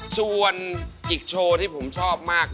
ส่วนอีกโชว์ที่ผมชอบมาก